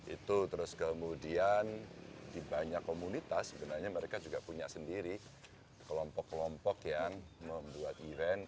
itu terus kemudian di banyak komunitas sebenarnya mereka juga punya sendiri kelompok kelompok yang membuat event